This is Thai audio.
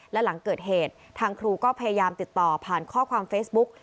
และหลังเกิดเหตุทางครูก็พยายามติดต่อผ่านข้อความเฟซบุ๊ก